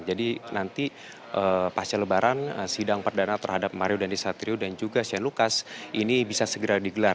jadi nanti pasca lebaran sidang perdana terhadap mario dandisatrio dan juga sian lukas ini bisa segera digelar